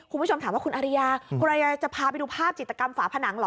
คุณผู้ชมถามว่าคุณอริยาคุณอริยาจะพาไปดูภาพจิตกรรมฝาผนังเหรอ